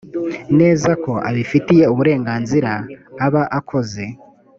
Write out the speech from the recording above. neza ko atabifitiye uburenganzira aba akoze